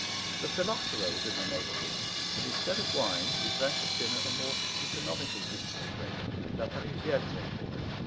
The phylloxera was in the neighbourhood; and instead of wine we drank at dinner a more economical juice of the grape La Parisienne, they call it.